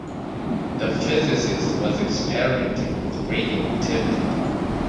The physicist was experimenting with radioactivity.